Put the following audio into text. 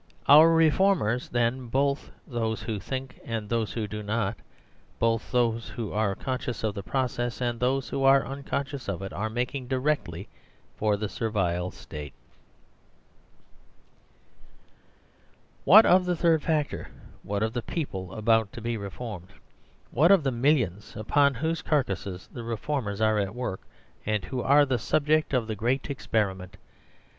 Ourreformers, then, both thosewhothinkand those who do not, both those who are conscious of the pro r cess and those who are unconscious of it, are making directly for the Servile State. (3) What of the third factor ? What of the people about to be reformed ? What of the millions upon whose carcasses the reformers are at work, and who are the subject of the great experiment